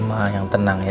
mama yang tenang ya